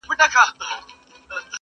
نه په بګړۍ نه په تسپو نه په وینا سمېږي!.